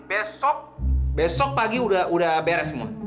besok besok pagi udah beres semua